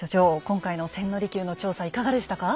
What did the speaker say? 今回の千利休の調査いかがでしたか？